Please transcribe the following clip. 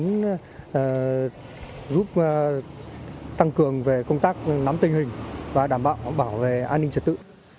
cũng giúp tăng cường về công tác nắm tình hình và đảm bảo bảo vệ an ninh trật tự